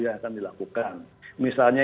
yang akan dilakukan misalnya